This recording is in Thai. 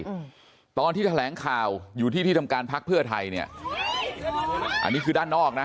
อืมตอนที่แถลงข่าวอยู่ที่ที่ทำการพักเพื่อไทยเนี้ยอันนี้คือด้านนอกนะ